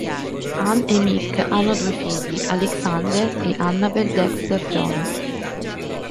Ann e Mick hanno due figli, Alexander e Annabelle Dexter-Jones.